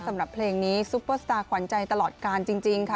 สำหรับเพลงนี้ซุปเปอร์สตาร์ขวัญใจตลอดการจริงค่ะ